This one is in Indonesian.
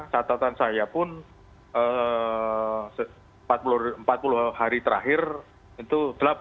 catatan saya pun empat puluh hari terakhir itu delapan